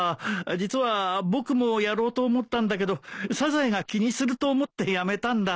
実は僕もやろうと思ったんだけどサザエが気にすると思ってやめたんだ。